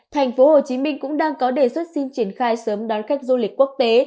thành phố hồ chí minh cũng đang có đề xuất xin triển khai sớm đón khách du lịch quốc tế